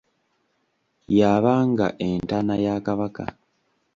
Y'abanga entaana ya Kabaka.